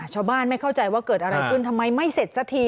ไม่เข้าใจว่าเกิดอะไรขึ้นทำไมไม่เสร็จสักที